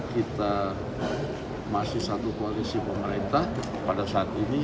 kita masih satu koalisi pemerintah pada saat ini